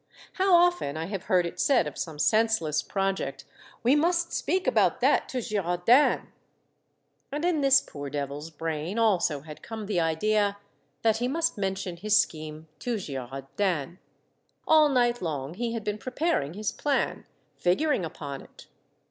How often I have 14 2IO Monday Tales. heard it said of some senseless project, *' We must speak about that to Girardin !" And in this poor devil's brain also had come the idea that he must mention his scheme to Girardin ! All night long he had been preparing his plan, figuring upon it.